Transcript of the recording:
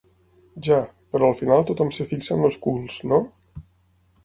Ja, però al final tothom es fixa en els culs, no?